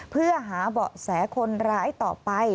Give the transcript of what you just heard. เพื่อหาเบาะแสคนร้ายต่อไป